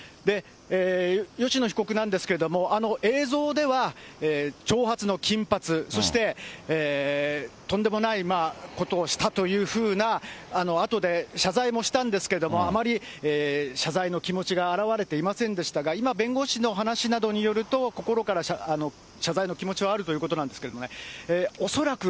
吉野被告なんですけれども、あの映像では、長髪の金髪、そしてとんでもないことをしたというふうな、あとで謝罪もしたんですけれども、あまり謝罪の気持ちが表れていませんでしたが、今、弁護士の話などによると、心から謝罪の気持ちはあるということなんですけれどもね、恐らく